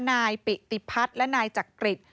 นายปิติพัฒน์และนายจักริต